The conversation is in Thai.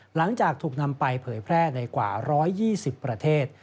หลังจากถูกนำไปเผยแพร่ในกว่า๑๒๐ประเทศ